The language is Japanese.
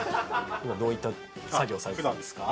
今どういった作業をされてたんですか？